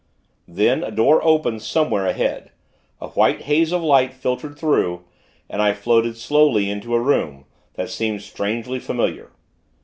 Then a door opened somewhere ahead; a white haze of light filtered through, and I floated slowly into a room, that seemed strangely familiar.